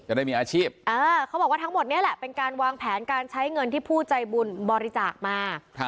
ได้มีอาชีพเขาบอกว่าทั้งหมดนี้แหละเป็นการวางแผนการใช้เงินที่ผู้ใจบุญบริจาคมา